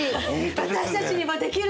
私たちにもできる！